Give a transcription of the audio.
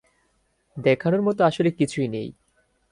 দেখানোর মতো আসলে কিছুই নেই।